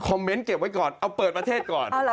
เมนต์เก็บไว้ก่อนเอาเปิดประเทศก่อน